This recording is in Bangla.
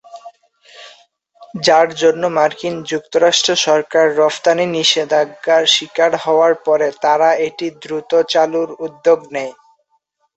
যার জন্য মার্কিন যুক্তরাষ্ট্র সরকার রফতানি নিষেধাজ্ঞার শিকার হওয়ার পরে তারা এটি দ্রুত চালুর উদ্যোগ নেয়।